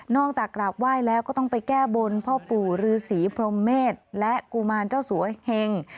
จากกราบไหว้แล้วก็ต้องไปแก้บนพ่อปู่ฤษีพรมเมษและกุมารเจ้าสัวเหง